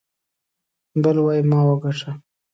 بل وايي ما وګاټه.